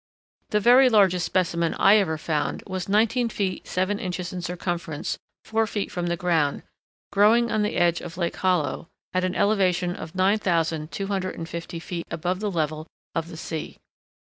The very largest specimen I ever found was nineteen feet seven inches in circumference four feet from the ground, growing on the edge of Lake Hollow, at an elevation of 9250 feet above the level of the sea.